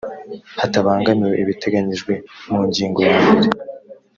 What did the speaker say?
hatabangamiwe ibiteganyijwe mu ngingo ya mbere